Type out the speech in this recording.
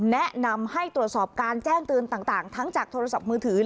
แนะนำให้ตรวจสอบการแจ้งเตือนต่างทั้งจากโทรศัพท์มือถือ